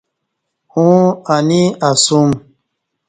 اوں انی اسوم۔